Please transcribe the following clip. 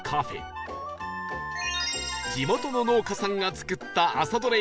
地元の農家さんが作った朝採れ